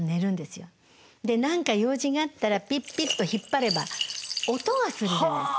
で何か用事があったらピッピッと引っ張れば音がするじゃないですか。